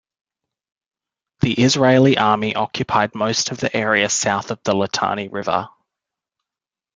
The Israeli Army occupied most of the area south of the Litani River.